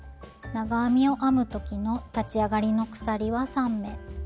長編みを編む時の立ち上がりの鎖は３目。